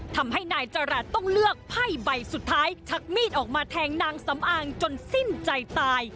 ทำให้นายจรัสต้องเลือกไพ่ใบสุดท้ายชักมีดออกมาแทงนางสำอางจนสิ้นใจตาย